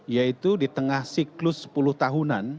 yaitu di tengah siklus sepuluh tahunan